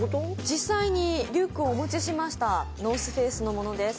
実際にリュックをお持ちしましたＮＯＲＴＨＦＡＣＥのものです